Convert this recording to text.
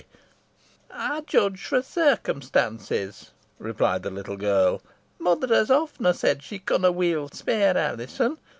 "Ey judge fro circumstances," replied the little girl. "Mother has often said she conna weel spare Alizon.